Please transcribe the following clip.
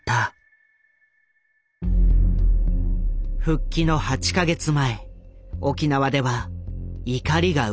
復帰の８か月前沖縄では怒りが渦巻いていた。